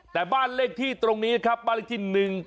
แต่บ้านเลขที่ตรงนี้ครับบ้านเลขที่๑๘